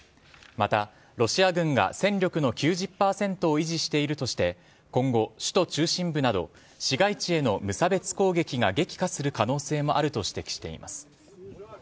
また、ロシア軍が戦力の９０％を維持しているとして今後、首都中心部など市街地への無差別攻撃が激化する可能性もあると指摘しています。